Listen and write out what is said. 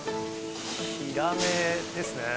ヒラメですね。